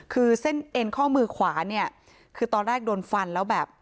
คือเส้นเอ็นข้อมือขวาเนี่ยคือตอนแรกโดนฟันแล้วแบบ